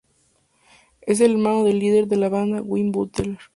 Es el hermano del líder de la banda, Win Butler.